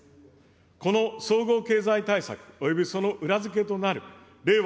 この総合経済対策およびその裏付けとなる令和